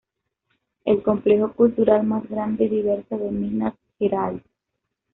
El complejo cultural más grande y diverso de Minas Gerais.